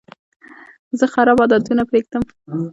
زه خراب عادتونه پرېږدم.